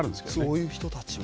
そういう人たちも。